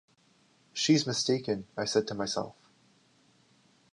She’s mistaken, I said to myself.